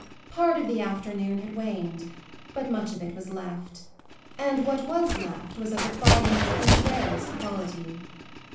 Part of the afternoon had waned, but much of it was left, and what was left was of the finest and rarest quality.